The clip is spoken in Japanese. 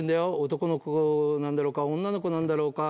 男の子なんだろうか女の子なんだろうか。